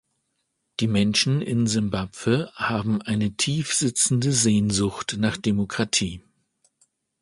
Die Menschen in Simbabwe haben eine tief sitzende Sehnsucht nach Demokratie.